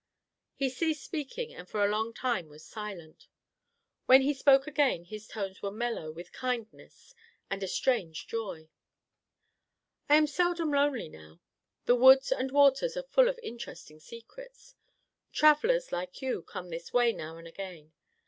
He ceased speaking and for a long time was silent. When he spoke again his tones were mellow with kindness and a strange joy. "I am seldom lonely now. The woods and waters are full of interesting secrets. Travellers, like you, come this way now and again.